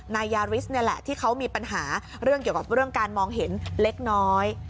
นายยาริสนี่แหละที่เขามีปัญหาเรื่องเกี่ยวกับเรื่องการมองเห็นเล็กน้อย